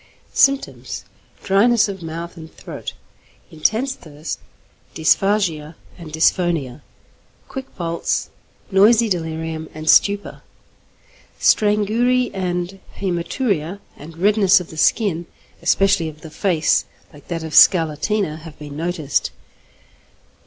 Symptoms. Dryness of mouth and throat, intense thirst, dysphagia and dysphonia, quick pulse, noisy delirium and stupor. Strangury and hæmaturia, and redness of the skin, especially of the face, like that of scarlatina, have been noticed.